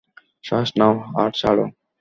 শ্বাস নাও, আর ছাড়ো!